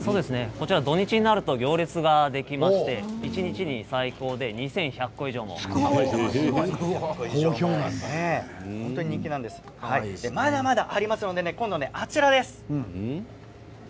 土日になると行列ができまして一日で最高２１００本まだまだありますので今度はこちらです。